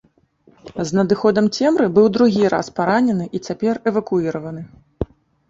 З надыходам цемры быў другі раз паранены і цяпер эвакуіраваны.